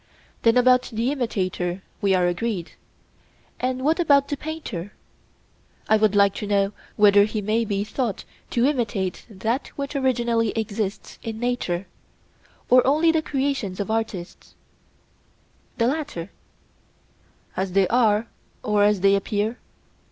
Then about the imitator we are agreed. And what about the painter?—I would like to know whether he may be thought to imitate that which originally exists in nature, or only the creations of artists? The latter. As they are or as they appear?